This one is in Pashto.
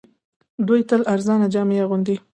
دوی تل ارزانه جامې اغوندي